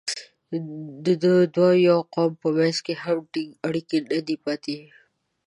د دوی د یوه قوم په منځ کې هم ټینګ اړیکې نه دي پاتې.